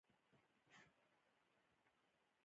منډه د زړه صفايي ښيي